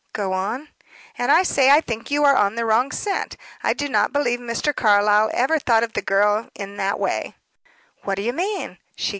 "Go on." "And I say I think you are on the wrong scent. I do not believe Mr. Carlyle ever thought of the girl in that way." "What do you mean?"